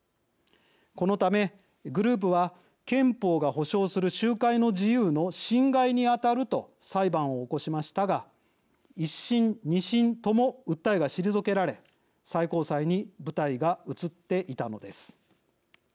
このためグループは憲法が保障する集会の自由の侵害にあたると裁判を起こしましたが１審２審とも訴えが退けられ最高裁に舞台が移っていたのです。